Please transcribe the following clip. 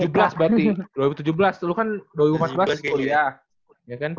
dua ribu tujuh belas berarti dua ribu tujuh belas lu kan dua ribu empat belas kuliah